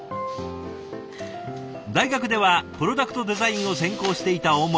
大学ではプロダクトデザインを専攻していた大森さん。